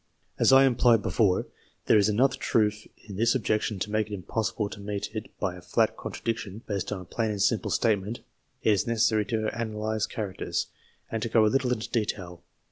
As I implied before, there is enough truth in this objection to make it impossible to meet it by a flat contradiction, based on a plain and simple statement. It is necessary to analyse characters, and to go a little into detail.